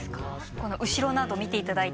この後ろなど見て頂いて。